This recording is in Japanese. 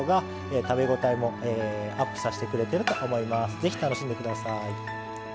ぜひ楽しんで下さい。